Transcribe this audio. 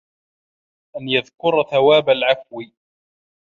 أَنْ يَذْكُرَ ثَوَابَ الْعَفْوِ